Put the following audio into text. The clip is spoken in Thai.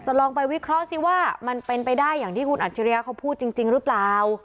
ลองไปวิเคราะห์สิว่ามันเป็นไปได้อย่างที่คุณอัจฉริยะเขาพูดจริงหรือเปล่า